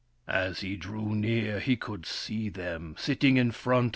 As he drew near he could see them, sitting in front of it^^l /; r \